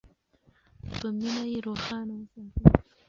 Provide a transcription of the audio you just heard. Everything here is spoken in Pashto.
په مینه یې روښانه وساتئ.